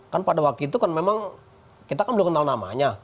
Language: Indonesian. kan pada waktu itu kan memang kita kan belum kenal namanya